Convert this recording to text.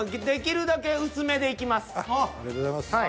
ありがとうございます。